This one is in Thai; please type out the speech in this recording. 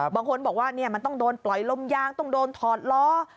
บางคนบอกว่ามันต้องโดนปล่อยลมยางต้องโดนถอดล้อ